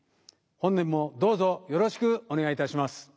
本年もどうぞよろしくお願いいたします。